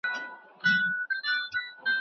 د عقل سوداګرو پکښي هر څه دي بایللي